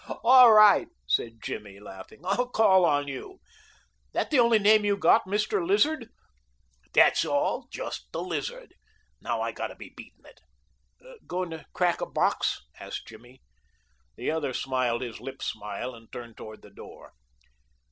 "All right," said Jimmy, laughing, "I'll call on you. That the only name you got, Mr. Lizard?" "That's all just the Lizard. Now I gotta be beatin' it." "Goin' to crack a box?" asked Jimmy. The other smiled his lip smile and turned toward the door.